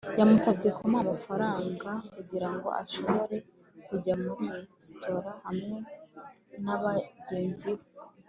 Yamusabye kumuha amafaranga kugirango ashobore kujya muri resitora hamwe nabagenzi be